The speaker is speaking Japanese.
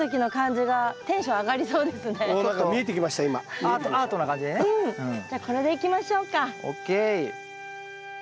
じゃあこれでいきましょうか。